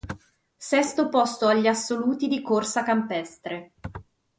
Sesto posto agli assoluti di corsa campestre.